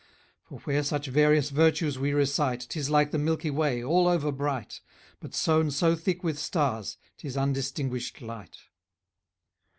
} For where such various virtues we recite, } 'Tis like the milky way, all over bright, } But sown so thick with stars, 'tis undistinguished light.